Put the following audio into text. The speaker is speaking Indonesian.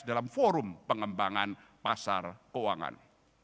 dalam forum pengembangan pasar keuangan